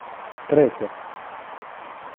Третє